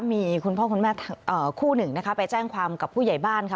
มีคุณพ่อคุณแม่คู่หนึ่งนะคะไปแจ้งความกับผู้ใหญ่บ้านค่ะ